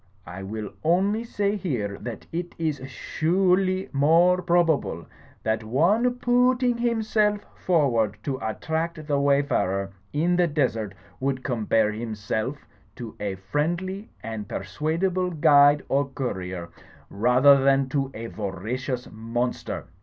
I will only say here that it is su urely more probabte that one poo ooting himself forward to attract the wayfarer in the desert, would compare himself to a friendly and persuadable guide or courier, rather thad to a voracious monster.